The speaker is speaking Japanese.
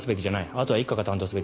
あとは一課が担当すべきだ。